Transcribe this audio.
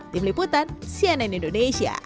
tim liputan cnn indonesia